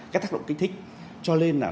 các tác động kích thích cho nên là